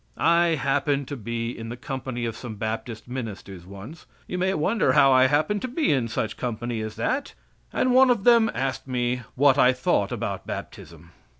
I happened to be in the company of some Baptist ministers once you may wonder how I happened to be in such company as that and one of them asked me what I thought about baptism.